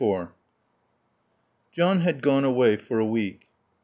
IV John had gone away for a week.